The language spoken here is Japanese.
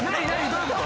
どういうこと？